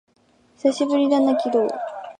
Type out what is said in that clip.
久しぶりだな、鬼道